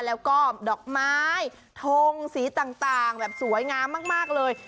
แล้วก็ดอกไม้ทงสีต่างแบบสวยงามมากเลย